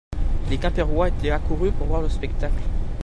Les Quimpérois étaient accourus pour voir le spectacle.